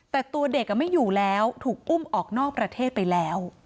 แต่ตัวเด็กไม่อยู่แล้วถูกอุ้มออกนอกประเทศไปแล้ว